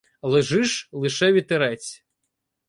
Лежиш — лише вітерець